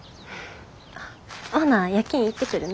ほな夜勤行ってくるな。